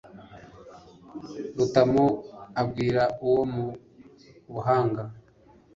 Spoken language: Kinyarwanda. Rutamu abwira uwo mu Buhanga